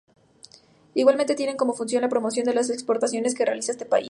Igualmente tiene como función la promoción de las exportaciones que realiza este país.